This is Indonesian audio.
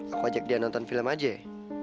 aku ajak dia nonton film aja ya